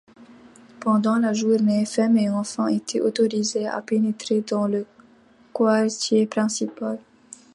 Pendant la journée, femmes et enfants étaient autorisés à pénétrer dans le quartier principal.